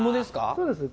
そうです。